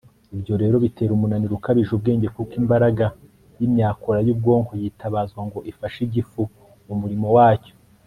ibyo rero bitera umunaniro ukabije ubwenge, kuko imbaraga y'imyakura y'ubwonko yitabazwa ngo ifashe igifu umurimo wacyo